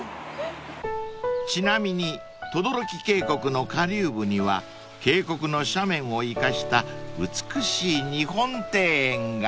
［ちなみに等々力渓谷の下流部には渓谷の斜面を生かした美しい日本庭園が］